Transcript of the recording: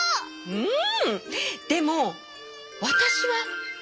うん！